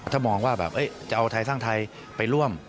ถ้ามองว่าแบบจะเอาไทยสร้างไทยไปร่วม